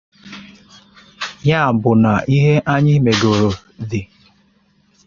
Ya bụ na ihe anyị megoro dị.